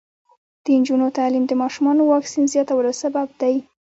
د نجونو تعلیم د ماشومانو واکسین زیاتولو سبب دی.